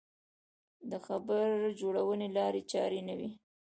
د خبر جوړونې لارې چارې نه وې.